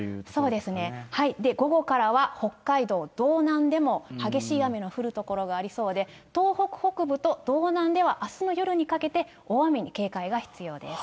午後からは北海道道南でも激しい雨が降る所がありそうで、東北北部と道南では、あすの夜にかけて大雨に警戒が必要です。